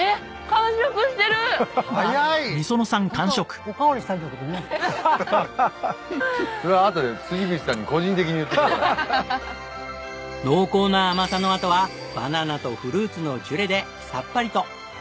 ホントは濃厚な甘さのあとはバナナとフルーツのジュレでさっぱりと！